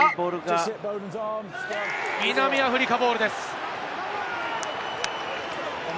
南アフリカボールです。